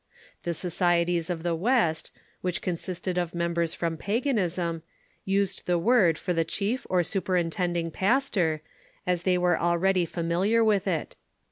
The societies of the West, which consisted of members from paganism, used the word for the chief or superintending pastor, as they were al ready familiar with it.